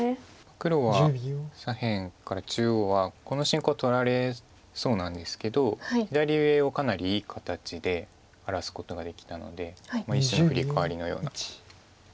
黒は左辺から中央はこの進行取られそうなんですけど左上をかなりいい形で荒らすことができたので一種のフリカワリのような。